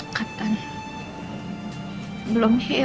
jangan koh tanpa man live